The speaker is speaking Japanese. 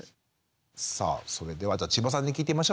さあそれでは千葉さんに聞いてみましょうか。